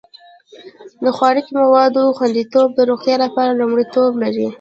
د خوراکي موادو خوندیتوب د روغتیا لپاره لومړیتوب لري.